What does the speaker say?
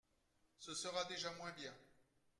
Ce sera déjà moins bien.